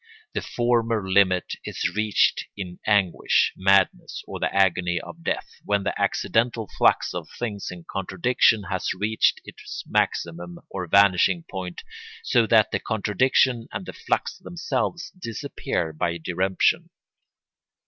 The former limit is reached in anguish, madness, or the agony of death, when the accidental flux of things in contradiction has reached its maximum or vanishing point, so that the contradiction and the flux themselves disappear by diremption.